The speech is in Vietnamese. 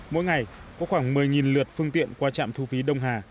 mỗi ngày có khoảng một mươi lượt phương tiện qua trạm thu phí đông hà